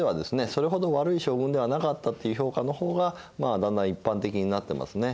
それほど悪い将軍ではなかったっていう評価の方がだんだん一般的になってますね。